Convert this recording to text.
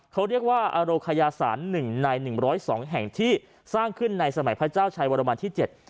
เขาเรียกว่าอโรคยาศาลหนึ่งในหนึ่งร้อยสองแห่งที่สร้างขึ้นในสมัยพระเจ้าชัยวรรมันที่เจ็ด